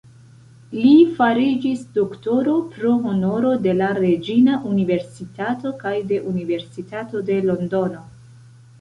Li fariĝis doktoro pro honoro de la Reĝina Universitato kaj de Universitato de Londono.